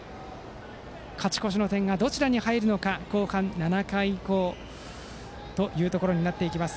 勝ち越しの点がどちらに入るのか後半、７回以降というところになります。